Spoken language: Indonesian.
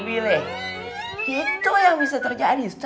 itu yang bisa terjadi